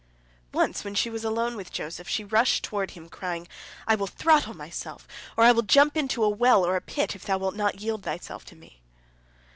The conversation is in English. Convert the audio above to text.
Once when she was alone with Joseph, she rushed toward him, crying, "I will throttle myself, or I will jump into a well or a pit, if thou wilt not yield thyself to me."